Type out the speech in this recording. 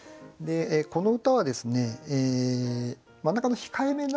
この歌は真ん中の「控えめな」